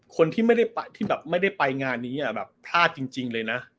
คนที่ไม่ได้ไปที่แบบไม่ได้ไปงานนี้แบบพลาดจริงเลยนะ